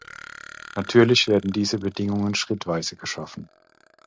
Natürlich werden diese Bedingungen schrittweise geschaffen.